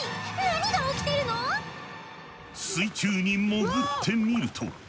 水中に潜ってみると。